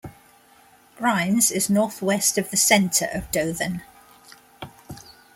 Grimes is northwest of the center of Dothan.